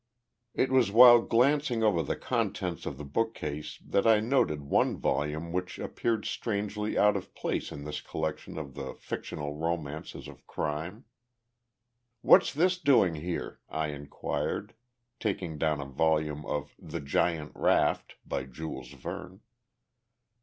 It was while glancing over the contents of the bookcase that I noted one volume which appeared strangely out of place in this collection of the fictional romances of crime. "What's this doing here?" I inquired, taking down a volume of The Giant Raft, by Jules Verne.